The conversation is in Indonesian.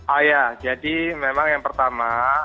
oh ya jadi memang yang pertama